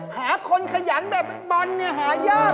หาคนขยันแบบบอลเนี่ยหายาก